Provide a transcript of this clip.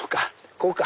こうか。